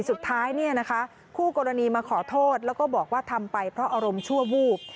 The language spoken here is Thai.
สุดท้ายเนี่ยนะคะคู่กรณีมาขอโทษแล้วก็บอกว่าทำไปเพราะอารมณ์ชั่ววูบ